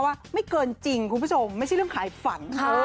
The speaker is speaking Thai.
ว่าไม่เกินจริงคุณผู้ชมไม่ใช่เรื่องขายฝันค่ะ